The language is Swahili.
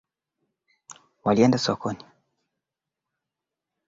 Waliwatolea pesa